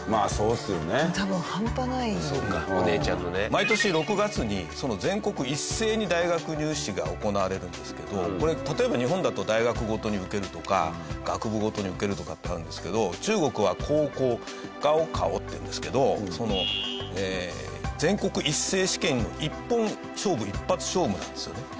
毎年６月に全国一斉に大学入試が行われるんですけどこれ例えば日本だと大学ごとに受けるとか学部ごとに受けるとかってあるんですけど中国は高考ガオカオっていうんですけど全国一斉試験の一本勝負一発勝負なんですよね。